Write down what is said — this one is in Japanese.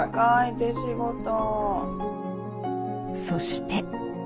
そして。